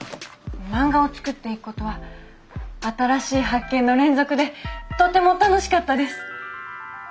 漫画を作っていくことは新しい発見の連続でとても楽しかったです。